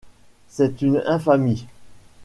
C’est une infamie !...